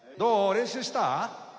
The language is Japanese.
練習した？